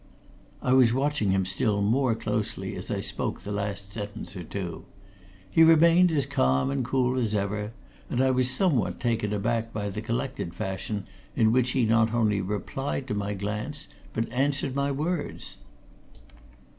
I was watching him still more closely as I spoke the last sentence or two. He remained as calm and cool as ever, and I was somewhat taken aback by the collected fashion in which he not only replied to my glance, but answered my words.